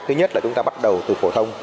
thứ nhất là chúng ta bắt đầu từ phổ thông